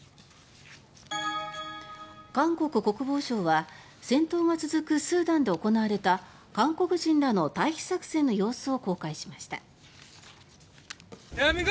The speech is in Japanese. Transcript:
韓国国防省は戦闘が続くスーダンで行われた韓国人らの退避作戦の様子を公開しました。